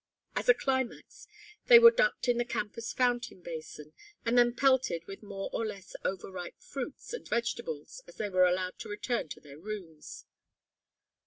As a climax they were ducked in the campus fountain basin and then pelted with more or less over ripe fruits and vegetables as they were allowed to return to their rooms.